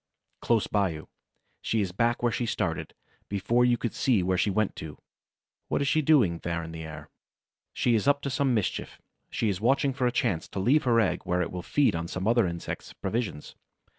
Close by you. She is back where she started, before you could see where she went to. What is she doing, there in the air? She is up to some mischief; she is watching for a chance to leave her egg where it will feed on some other insect's provisions.